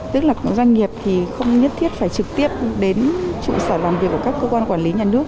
tức là doanh nghiệp thì không nhất thiết phải trực tiếp đến trụ sở làm việc của các cơ quan quản lý nhà nước